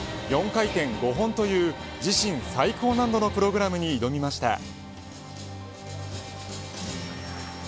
４回転５本という自身最高難度のプログラムに挑みました。